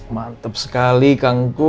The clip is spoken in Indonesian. mantep sekali kang gus